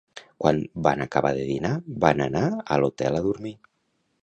Quan van acabar de dinar van anar a l'hotel a dormir.